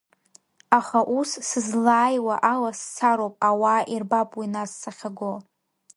Аха ус, сызлааиуа ала, сцароуп, ауаа ирбап уи нас сахьаго.